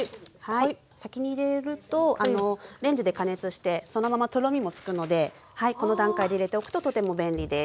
先に入れるとレンジで加熱してそのままとろみもつくのでこの段階で入れておくととても便利です。